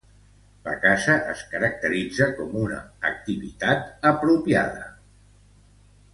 La caça es caracteritza com una activitat apropiada per a prínceps.